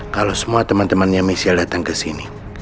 kalau semua temen temennya misial datang kesini